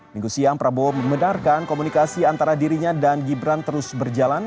minggu siang prabowo membenarkan komunikasi antara dirinya dan gibran terus berjalan